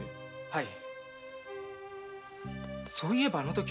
はい。